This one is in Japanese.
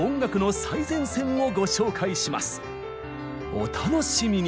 お楽しみに！